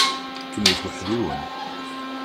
Kemmlet weḥd-wen.